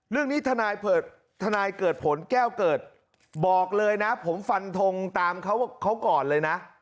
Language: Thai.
เรื่องนี้ทนายเกิดผลแก้วเกิดบอกเลยนะผมฟันทงตามเขาก่อนเลยนะ